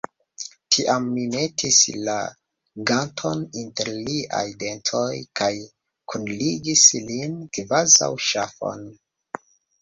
Tiam mi metis la ganton inter liaj dentoj kaj kunligis lin, kvazaŭ ŝafon.